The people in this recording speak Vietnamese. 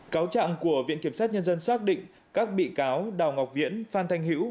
cáo trạng của viện kiểm sát nhân dân xác định các bị cáo đào ngọc viễn phan thanh hữu